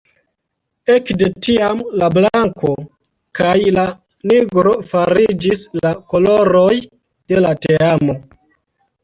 Ekde tiam la blanko kaj la nigro fariĝis la koloroj de la teamo.